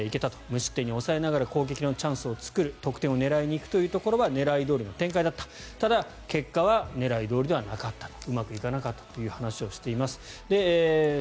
無失点に抑えながら攻撃のチャンスを作る得点を狙いに行くというところは狙いどおりの展開だったただ、結果は狙いどおりではなかったと。